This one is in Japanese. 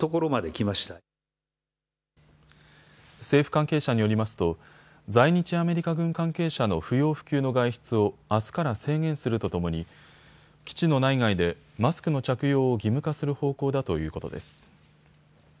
政府関係者によりますと在日アメリカ軍関係者の不要不急の外出をあすから制限するとともに基地の内外でマスクの着用を義務化する方向だということです。